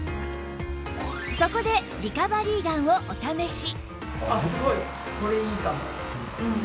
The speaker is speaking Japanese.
そこでリカバリーガンをお試し